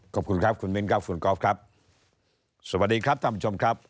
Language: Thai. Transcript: ขอบคุณครับคุณมิ้นครับคุณก๊อฟครับสวัสดีครับท่านผู้ชมครับ